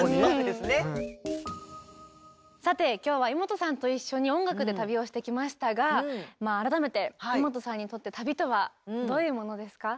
さて今日はイモトさんと一緒に音楽で旅をしてきましたが改めてイモトさんにとって旅とはどういうものですか？